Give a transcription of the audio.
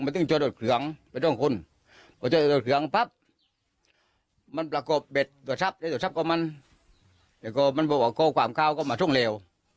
ถึงพักมันประกบเบ็ดตัวชับตัวชับกับมันเดี๋ยวก็มันบอกว่าโกความข้าวก็มาช่วงเร็ว